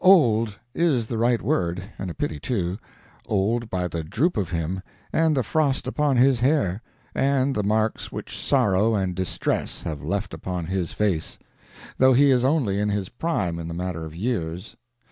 "Old" is the right word, and a pity, too; old by the droop of him, and the frost upon his hair, and the marks which sorrow and distress have left upon his face; though he is only in his prime in the matter of years.